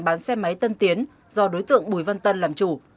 bán xe máy tân tiến do đối tượng bùi văn tân làm chủ